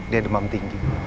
dia demam tinggi